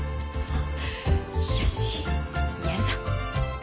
よしやるぞ！